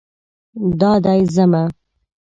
دا دی ځمه